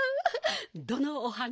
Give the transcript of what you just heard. どのおはな？